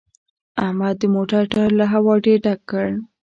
احمد د موټر ټایر له هوا ډېر ډک کړ